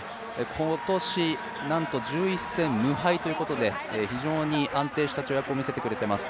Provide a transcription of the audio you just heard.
今年なんと１１戦無敗ということで非常に安定した跳躍をみせてくれています。